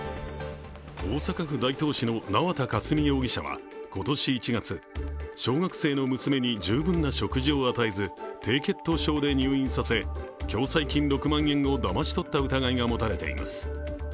大阪府大東市の縄田佳純容疑者は今年１月、小学生の娘に十分な食事を与えず低血糖症で入院させ、共済金６万円をだまし取った疑いが持たれています。